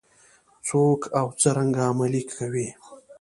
څوک او څرنګه عملي کوي؟